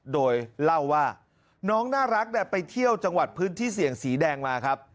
โดยเล่าว่าน้องน่ารักไปเที่ยวจังหวัดพื้นที่เสี่ยงสีแดงมาครับ